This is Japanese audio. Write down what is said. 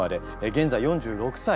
現在４６歳。